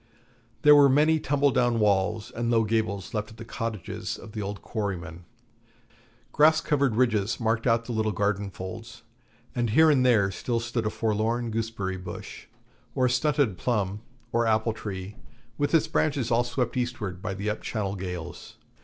There were many tumble down walls and low gables left of the cottages of the old quarrymen; grass covered ridges marked out the little garden folds, and here and there still stood a forlorn gooseberry bush, or a stunted plum or apple tree with its branches all swept eastward by the up Channel gales.